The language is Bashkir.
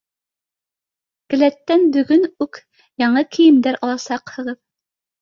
Келәттән бөгөн үк яңы кейемдәр аласаҡһығыҙ.